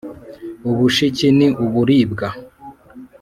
Ubushiki ni uburibwa.